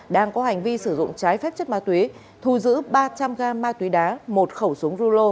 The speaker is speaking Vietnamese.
đang có hành vi sử dụng trái phép chất ma túy thu giữ ba trăm linh gam ma túy đá một khẩu súng rulo